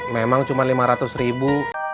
memang cuma lima ratus ribu